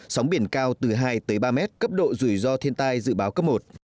sóng biển cao từ hai ba m cấp độ rủi ro thiên tai dự báo cấp một